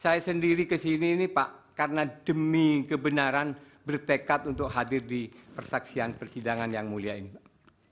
saya sendiri kesini ini pak karena demi kebenaran bertekad untuk hadir di persaksian persidangan yang mulia ini pak